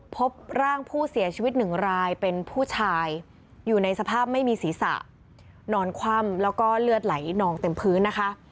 พบร่างผู้เสียชีวิตหนึ่งรายเป็นผู้ชายอยู่ในสภาพไม่มีศีรษะนอนคว่ำแล้วก็เลือดไหลนองเต็มพื้นนะคะ